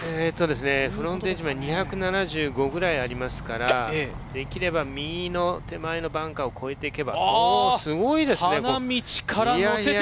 フロントエッジで２７５くらいありますから、できれば右の手前のバンカーを越えていけばおすごいですね。